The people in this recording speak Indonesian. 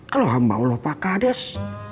kalau hamba allah pak kades